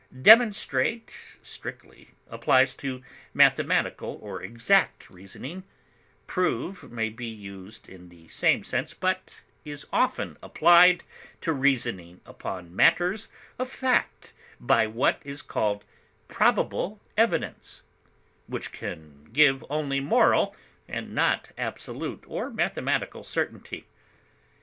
Demonstrate strictly applies to mathematical or exact reasoning; prove may be used in the same sense, but is often applied to reasoning upon matters of fact by what is called probable evidence, which can give only moral and not absolute or mathematical certainty.